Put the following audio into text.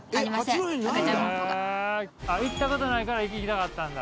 あっ行った事ないから行きたかったんだ。